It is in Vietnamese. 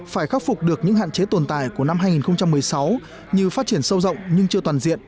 phải khắc phục được những hạn chế tồn tại của năm hai nghìn một mươi sáu như phát triển sâu rộng nhưng chưa toàn diện